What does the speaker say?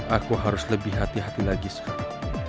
aku harus lebih hati hati lagi sekarang